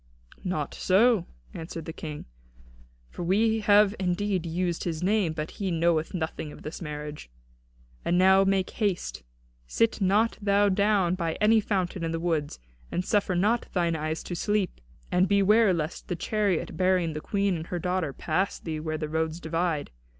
"Not so," answered the King, "for we have indeed used his name, but he knoweth nothing of this marriage. And now make haste. Sit not thou down by any fountain in the woods, and suffer not thine eyes to sleep. And beware lest the chariot bearing the Queen and her daughter pass thee where the roads divide.